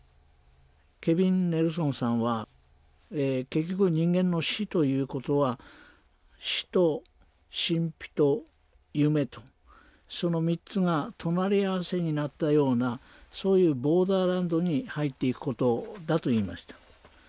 ケビン・ネルソンさんは結局人間の死という事は死と神秘と夢とその３つが隣り合わせになったようなそういうボーダーランドに入っていく事だと言いました。